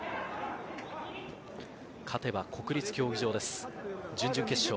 勝てば国立競技場です。